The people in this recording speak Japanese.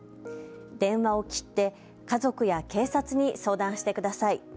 電話を切って家族や警察に相談してください。